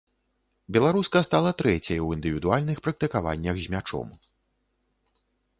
Беларуска стала трэцяй у індывідуальных практыкаваннях з мячом.